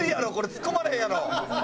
ツッコまれへんやろ。